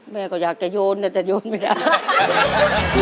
แม่ก็อยากจะโยนแต่โยนไม่ได้